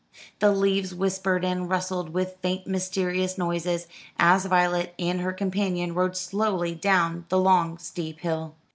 The leaves whispered and rustled with faint mysterious noises, as Violet and her companion rode slowly down the long steep hill.